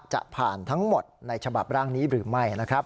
จะผ่านทั้งหมดในฉบับร่างนี้หรือไม่นะครับ